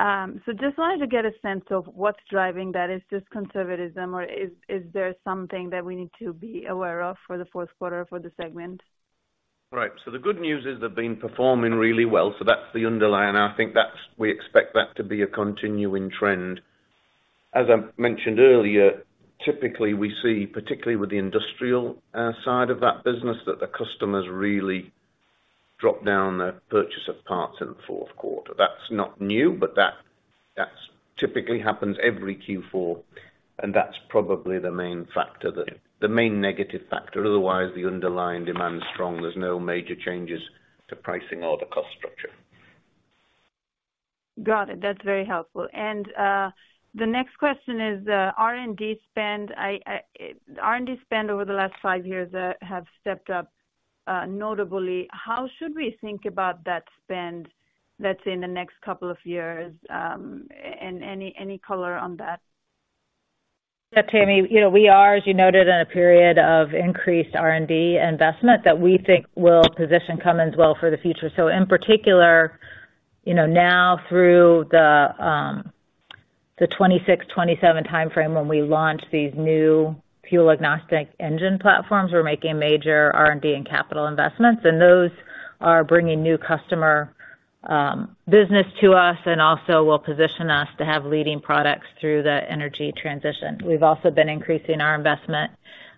So just wanted to get a sense of what's driving that. Is this conservatism or is there something that we need to be aware of for the fourth quarter for the segment? Right. So the good news is they've been performing really well, so that's the underlying. I think we expect that to be a continuing trend. As I mentioned earlier, typically we see, particularly with the industrial side of that business, that the customers really drop down their purchase of parts in the fourth quarter. That's not new, but that's typically happens every Q4, and that's probably the main negative factor. Otherwise, the underlying demand is strong. There's no major changes to pricing or the cost structure. Got it. That's very helpful. The next question is R&D spend. R&D spend over the last five years have stepped up notably. How should we think about that spend that's in the next couple of years? And any color on that? Yeah, Tami, you know, we are, as you noted, in a period of increased R&D investment that we think will position Cummins well for the future. So in particular, you know, now through the 2026-2027 timeframe, when we launch these new fuel agnostic engine platforms, we're making major R&D and capital investments, and those are bringing new customer business to us and also will position us to have leading products through the energy transition. We've also been increasing our investment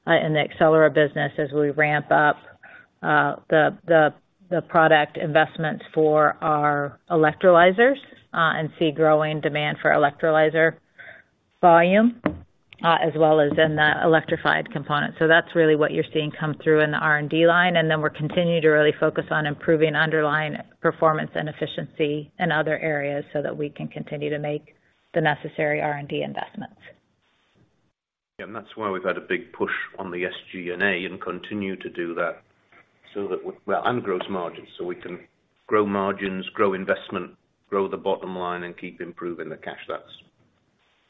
in the Accelera business as we ramp up the product investments for our electrolyzers and see growing demand for electrolyzer volume as well as in the electrified component. So that's really what you're seeing come through in the R&D line. And then we're continuing to really focus on improving underlying performance and efficiency in other areas so that we can continue to make the necessary R&D investments. Yeah, and that's why we've had a big push on the SG&A and continue to do that so that we, well, and gross margins, so we can grow margins, grow investment, grow the bottom line, and keep improving the cash.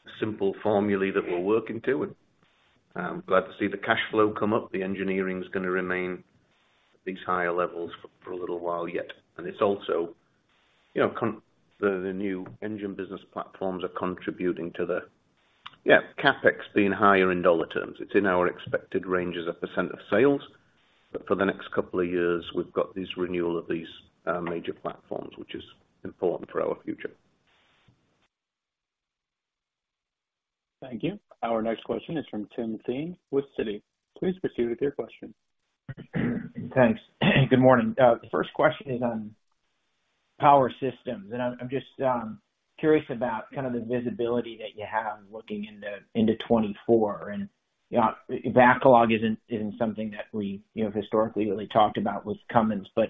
That's a simple formulae that we're working to, and I'm glad to see the cash flow come up. The engineering is going to remain at these higher levels for a little while yet. And it's also, you know, the new engine business platforms are contributing to the, yeah, CapEx being higher in dollar terms. It's in our expected ranges of percent of sales, but for the next couple of years, we've got these renewal of these major platforms, which is important for our future. Thank you. Our next question is from Tim Thein with Citi. Please proceed with your question. Thanks. Good morning. The first question is on Power Systems, and I'm just curious about kind of the visibility that you have looking into 2024. And, you know, backlog isn't something that we, you know, historically really talked about with Cummins, but,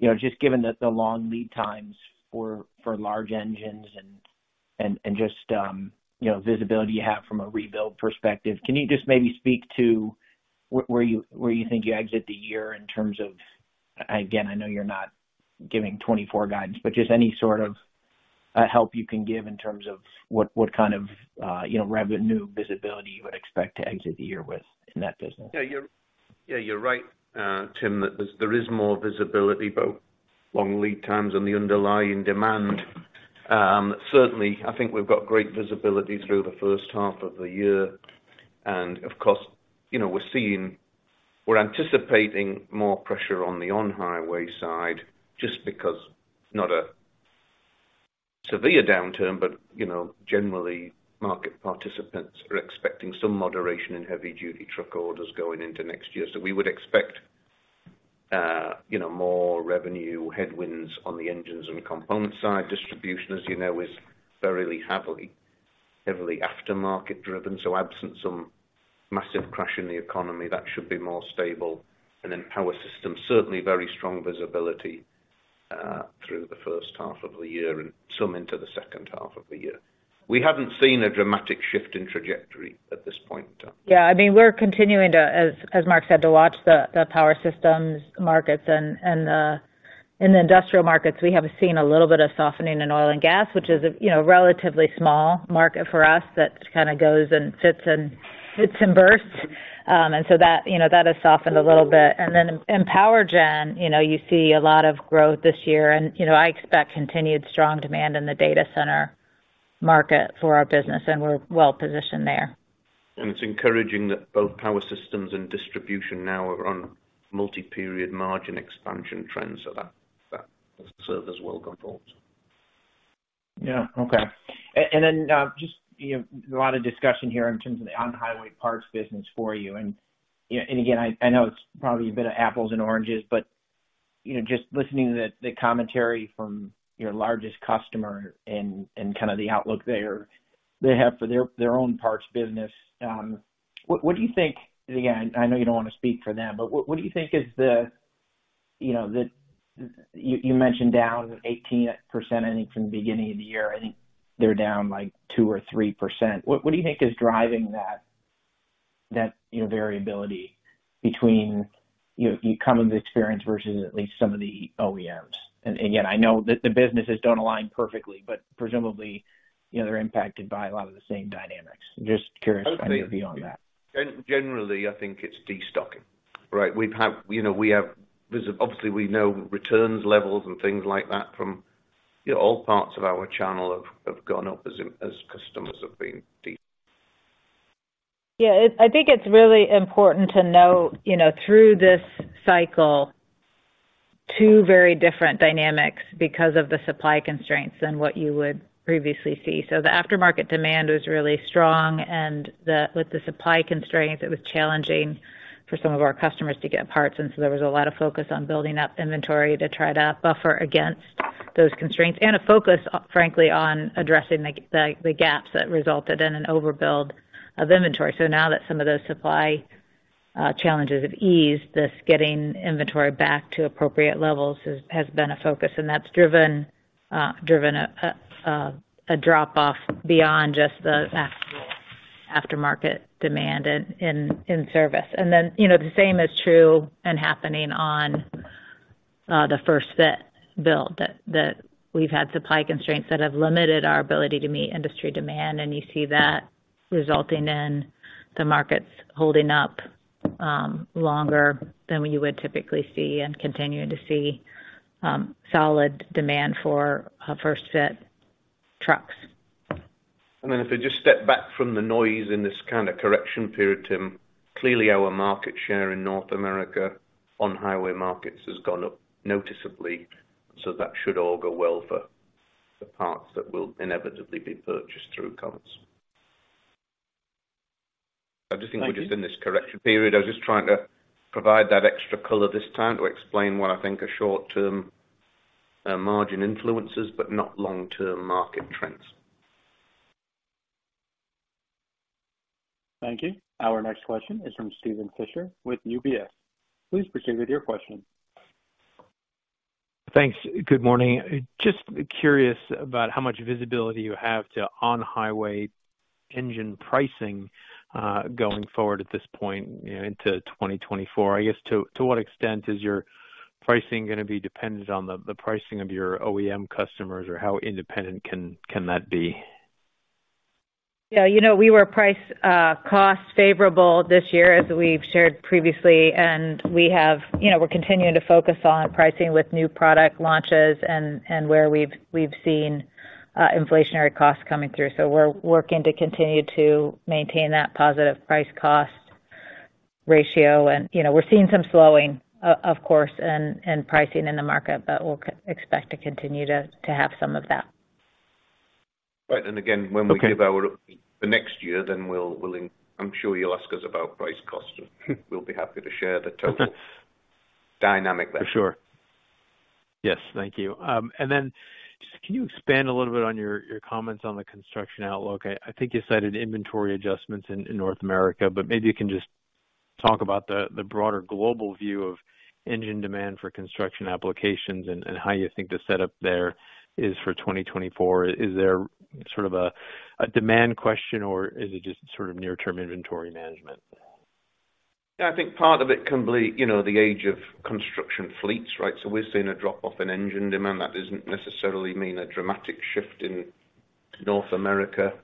you know, just given that the long lead times for large engines and just visibility you have from a rebuild perspective, can you just maybe speak to where you think you exit the year in terms of, again, I know you're not giving 2024 guidance, but just any sort of help you can give in terms of what kind of revenue visibility you would expect to exit the year with in that business? Yeah, you're right, Tim, that there's more visibility, both long lead times and the underlying demand. Certainly, I think we've got great visibility through the first half of the year. And of course, you know, we're anticipating more pressure on the on-highway side, just because it's not a severe downturn, but, you know, generally, market participants are expecting some moderation in heavy duty truck orders going into next year. So we would expect, you know, more revenue headwinds on the engines and component side. Distribution, as you know, is fairly heavily aftermarket driven, so absent some massive crash in the economy, that should be more stable. And then power systems, certainly very strong visibility through the first half of the year and some into the second half of the year. We haven't seen a dramatic shift in trajectory at this point in time. Yeah, I mean, we're continuing to, as Mark said, to watch the power systems markets and in the industrial markets, we have seen a little bit of softening in oil and gas, which is, you know, relatively small market for us that kind of goes and fits and bursts. And so that, you know, that has softened a little bit. And then in power gen, you know, you see a lot of growth this year and, you know, I expect continued strong demand in the data center market for our business, and we're well positioned there. It's encouraging that both Power Systems and Distribution now are on multi-period margin expansion trends, so that, that serve us well going forward. Yeah. Okay. And then, just, you know, a lot of discussion here in terms of the on-highway parts business for you. And, you know, and again, I know it's probably a bit of apples and oranges, but, you know, just listening to the commentary from your largest customer and kind of the outlook there they have for their own parts business, what do you think, again, I know you don't want to speak for them, but what do you think is the, you know, you mentioned down 18%, I think, from the beginning of the year. I think they're down, like, 2% or 3%. What do you think is driving that variability between, you know, your Cummins experience versus at least some of the OEMs? And yet I know that the businesses don't align perfectly, but presumably, you know, they're impacted by a lot of the same dynamics. Just curious on your view on that. Generally, I think it's destocking, right? We've, you know, we have obviously we know returns levels and things like that from, you know, all parts of our channel have gone up as customers have been de- Yeah, I think it's really important to note, you know, through this cycle, two very different dynamics because of the supply constraints than what you would previously see. So the aftermarket demand was really strong, and with the supply constraints, it was challenging for some of our customers to get parts. And so there was a lot of focus on building up inventory to try to buffer against those constraints and a focus, frankly, on addressing the gaps that resulted in an overbuild of inventory. So now that some of those supply challenges have eased, this getting inventory back to appropriate levels has been a focus, and that's driven a drop-off beyond just the aftermarket demand in service. Then, you know, the same is true and happening on the first fit build, that we've had supply constraints that have limited our ability to meet industry demand, and you see that resulting in the markets holding up longer than you would typically see and continuing to see solid demand for first fit trucks. And then if I just step back from the noise in this kind of correction period, Tim, clearly our market share in North America on highway markets has gone up noticeably, so that should all go well for the parts that will inevitably be purchased through Cummins. I just think we're just in this correction period. I was just trying to provide that extra color this time to explain what I think are short-term, margin influences, but not long-term market trends. Thank you. Our next question is from Steven Fisher with UBS. Please proceed with your question. Thanks. Good morning. Just curious about how much visibility you have to on-highway engine pricing, going forward at this point, you know, into 2024. I guess, to what extent is your pricing gonna be dependent on the pricing of your OEM customers, or how independent can that be? Yeah, you know, we were price-cost favorable this year, as we've shared previously, and we have, you know, we're continuing to focus on pricing with new product launches and where we've seen inflationary costs coming through. So we're working to continue to maintain that positive price-cost ratio. And, you know, we're seeing some slowing, of course, and pricing in the market, but we'll continue to expect to have some of that. Right. And again, when we give our for next year, then we'll, I'm sure you'll ask us about price cost. We'll be happy to share the total dynamically. For sure. Yes, thank you. And then just can you expand a little bit on your comments on the construction outlook? I, I think you cited inventory adjustments in North America, but maybe you can just talk about the broader global view of engine demand for construction applications and how you think the setup there is for 2024. Is there sort of a demand question, or is it just sort of near-term inventory management? Yeah, I think part of it can be, you know, the age of construction fleets, right? So we're seeing a drop off in engine demand. That doesn't necessarily mean a dramatic shift in North America,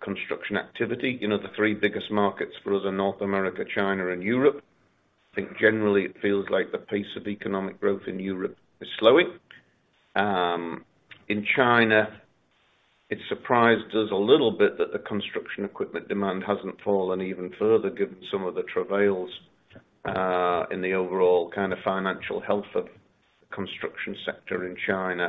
construction activity. You know, the three biggest markets for us are North America, China, and Europe. I think generally it feels like the pace of economic growth in Europe is slowing. In China, it surprised us a little bit that the construction equipment demand hasn't fallen even further, given some of the travails, in the overall kind of financial health of the construction sector in China.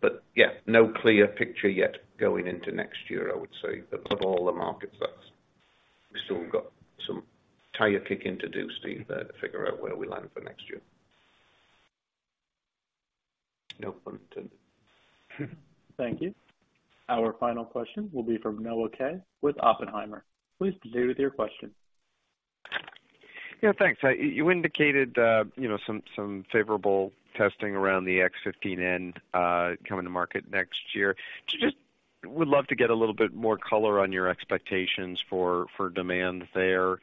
But yeah, no clear picture yet going into next year, I would say. But of all the markets, that's, we still got some tire kicking to do, Steve, to figure out where we land for next year. Thank you. Our final question will be from Noah Kaye, with Oppenheimer. Please proceed with your question. Yeah, thanks. You indicated, you know, some favorable testing around the X15N coming to market next year. Just would love to get a little bit more color on your expectations for demand there,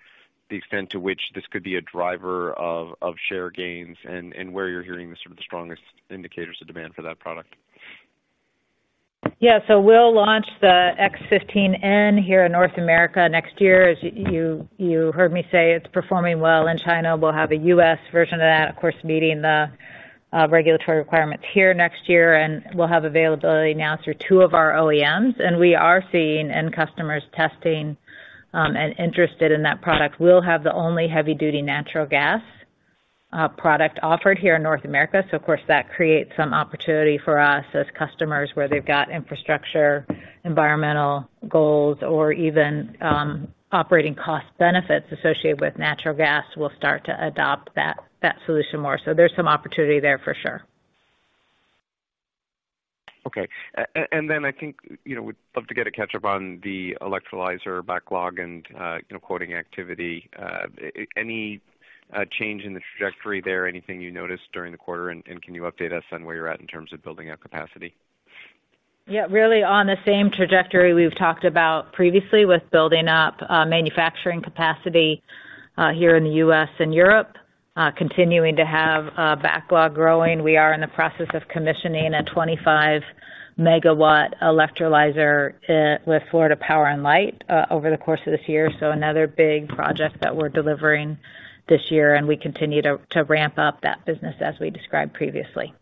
the extent to which this could be a driver of share gains and where you're hearing the sort of the strongest indicators of demand for that product. Yeah, so we'll launch the X15N here in North America next year. As you heard me say, it's performing well in China. We'll have a U.S. version of that, of course, meeting the regulatory requirements here next year, and we'll have availability now through two of our OEMs. And we are seeing end customers testing and interested in that product. We'll have the only heavy-duty natural gas product offered here in North America. So of course, that creates some opportunity for us as customers where they've got infrastructure, environmental goals, or even operating cost benefits associated with natural gas will start to adopt that solution more. So there's some opportunity there for sure. Okay. And then I think, you know, would love to get a catch up on the electrolyzer backlog and, you know, quoting activity. Any change in the trajectory there? Anything you noticed during the quarter, and can you update us on where you're at in terms of building out capacity? Yeah, really on the same trajectory we've talked about previously with building up, manufacturing capacity, here in the U.S. and Europe, continuing to have, backlog growing. We are in the process of commissioning a 25 MW electrolyzer, with Florida Power & Light, over the course of this year. So another big project that we're delivering this year, and we continue to ramp up that business as we described previously.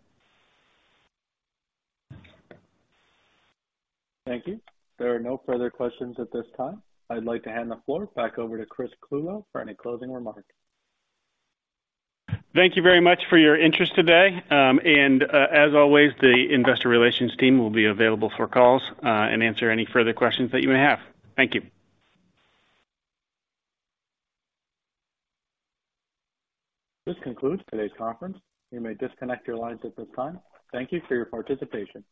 Thank you. There are no further questions at this time. I'd like to hand the floor back over to Chris Clulow for any closing remarks. Thank you very much for your interest today, and, as always, the investor relations team will be available for calls, and answer any further questions that you may have. Thank you. This concludes today's conference. You may disconnect your lines at this time. Thank you for your participation.